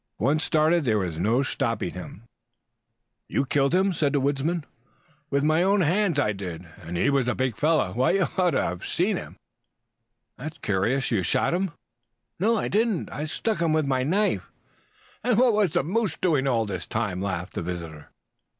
Once started there was no stopping him. "You killed him?" "With my own hands, I did, and he was a big fellow. Why, you ought to have seen him." "That's curious. You shot him?" "No, I didn't, I stuck him with my knife." "And what was the moose doing all this time?" laughed the visitor.